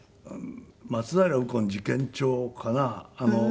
『松平右近事件帳』かな？